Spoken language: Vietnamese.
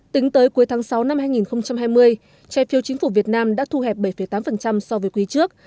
tính tới cuối tháng sáu năm hai nghìn hai mươi trái phiếu chính phủ việt nam đã thu hẹp bảy tám so với quý trước